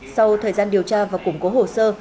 sau thời gian điều tra và củng cố hồ sơ